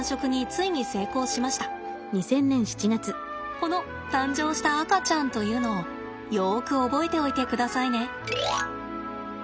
この誕生した赤ちゃんというのをよく覚えておいてくださいね。